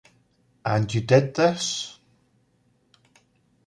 And you did this?